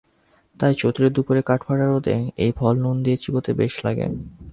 তাই চৈত্রের দুপুরে কাঠফাটা রোদে এই ফল নুন দিয়ে চিবোতে বেশ লাগে।